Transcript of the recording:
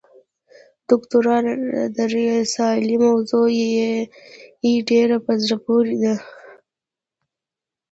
د دوکتورا د رسالې موضوع یې ډېره په زړه پورې ده.